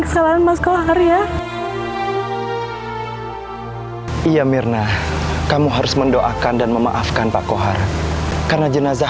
kesalahan mas kohar ya iya mirna kamu harus mendoakan dan memaafkan pak kohar karena jenazah